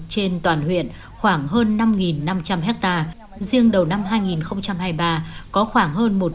trên toàn huyện khoảng hơn năm năm trăm linh hectare riêng đầu năm hai nghìn hai mươi ba có khoảng hơn